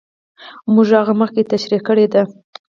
موږ هغه مخکې تشرېح کړې دي.